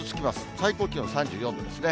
最高気温３４度ですね。